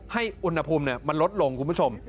ให้อุณหภูมิมันลดลงคุณผู้ชม